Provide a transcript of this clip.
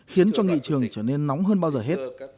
khiến cho nghị trường trở nên nóng hơn bao giờ hết